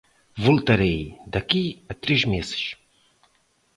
Voltarei daqui a três meses.